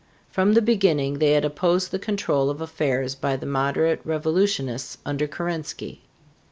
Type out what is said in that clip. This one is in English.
From the beginning they had opposed the control of affairs by the moderate revolutionists under Kerensky.